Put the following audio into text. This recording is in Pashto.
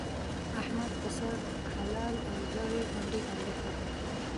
احمد پسه حلال او ژر هنډي هنډي کړ.